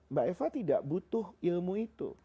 mbak eva tidak butuh ilmu itu